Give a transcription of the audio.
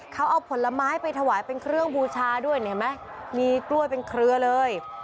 เขาเอาผลไม้ไปถวายเป็นเครื่องบูชาด้วยเห็นไหมมีกล้วยเป็นเครือเลย